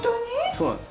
そうなんです。